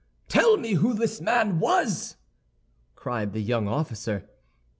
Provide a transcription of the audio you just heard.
"Tell me who this man was!" cried the young officer.